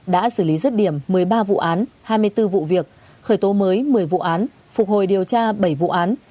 đã xử lý rứt điểm một mươi ba vụ án hai mươi bốn vụ việc khởi tố mới một mươi vụ án phục hồi điều tra bảy vụ án